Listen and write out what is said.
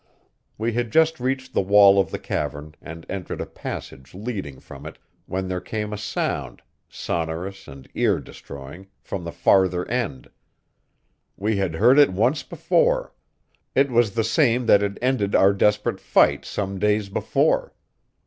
We had just reached the wall of the cavern and entered a passage leading from it, when there came a sound, sonorous and ear destroying, from the farther end. We had heard it once before; it was the same that had ended our desperate fight some days before.